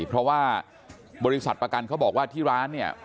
เพราะว่าบริษัทประกันเขาบอกว่าที่ร้านเนี่ย